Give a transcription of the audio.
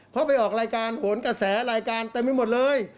เพราะไปออกรายการหโอนกละแสรายการทำไม่หมดเลย